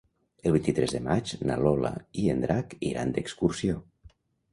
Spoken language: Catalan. El vint-i-tres de maig na Lola i en Drac iran d'excursió.